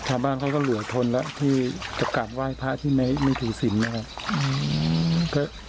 ชาวบ้านเขาก็เหลือทนแล้วที่จะกลับไหว้พระที่ไม่ถือศิลป์นะครับ